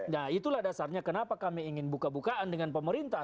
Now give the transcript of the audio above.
nah itulah dasarnya kenapa kami ingin buka bukaan dengan pemerintah